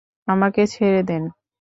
আমাকে ছেড়ে দেন।